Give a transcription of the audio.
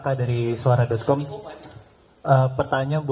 pak anies ini sudah menjadi